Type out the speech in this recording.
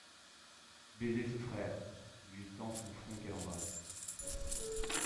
Baisez ce frère ! il lui tend son front qu'elle embrasse.